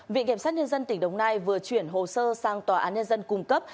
viện kiểm sát nhân dân tỉnh đồng nai vừa chuyển hồ sơ sang tòa án nhân dân cung cấp